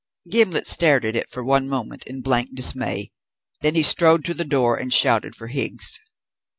Gimblet stared at it for one moment in blank dismay. Then he strode to the door and shouted for Higgs.